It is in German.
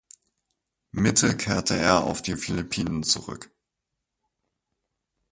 Mitte kehrte er auf die Philippinen zurück.